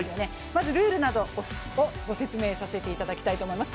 まずルールなどをご説明させていただきたいと思います。